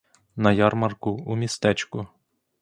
На ярмарку, у містечку.